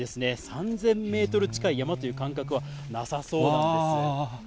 ３０００メートル近い山という感覚はなさそうなんですよ。